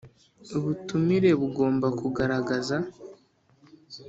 Ubutumire bugomba kugaragaza